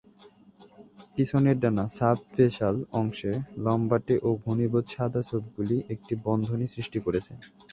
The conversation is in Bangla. পিছনের ডানা: সাব-বেসাল অংশে লম্বাটে ও ঘনীভূত সাদা ছোপগুলি একটি বন্ধনী সৃষ্টি করেছে।